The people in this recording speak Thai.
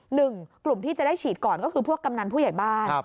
หนึ่งกลุ่มที่จะได้ฉีดก่อนก็คือพวกกำนันผู้ใหญ่บ้าน